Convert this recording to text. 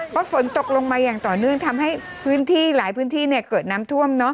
เพราะฝนตกลงมาอย่างต่อเนื่องทำให้พื้นที่หลายพื้นที่เกิดน้ำท่วม